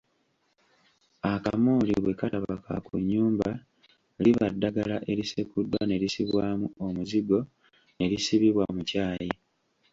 Akamooli bwe kataba kakunnyumba liba ddagala erisekuddwa ne lisibwamu omuzigo ne lisibibwa mu kyayi.